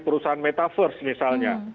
perusahaan metaverse misalnya